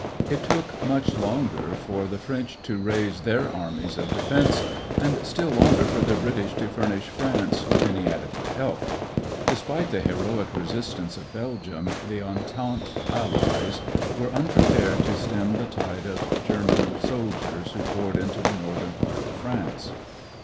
It took much longer for the French to raise their armies of defense, and still longer for the British to furnish France with any adequate help. Despite the heroic resistance of Belgium, the Entente Allies were unprepared to stem the tide of German soldiers who poured into the northern part of France.